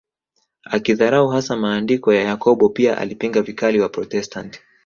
Akidharau hasa maandiko ya Yakobo pia alipinga vikali Waprotestant